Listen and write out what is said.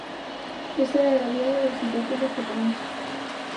Esa é a realidade da situación deste país.